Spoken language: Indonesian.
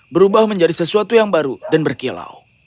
berubah menjadi sesuatu yang baru dan berkilau